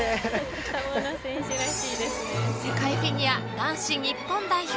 世界フィギュア男子日本代表